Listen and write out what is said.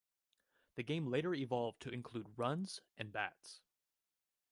The game later evolved to include runs and bats.